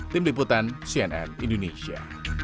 tim liputan cnn indonesia